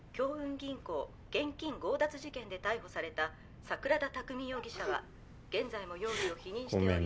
銀行現金強奪事件で逮捕された桜田卓海容疑者は現在も容疑を否認しており。